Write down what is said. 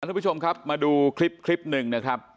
ทุกผู้ชมครับมาดูคลิปนึงนะครับ